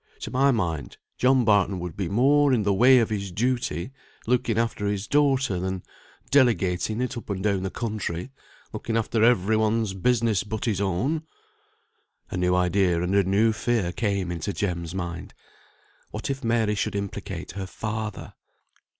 To my mind John Barton would be more in the way of his duty, looking after his daughter, than delegating it up and down the country, looking after every one's business but his own." A new idea and a new fear came into Jem's mind. What if Mary should implicate her father?